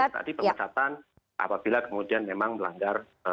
maksudnya tadi penguatan apabila kemudian memang melanggar etik yang berat seperti ini